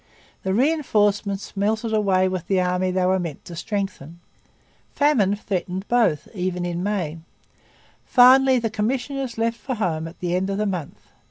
The reinforcements melted away with the army they were meant to strengthen. Famine threatened both, even in May. Finally the commissioners left for home at the end of the month.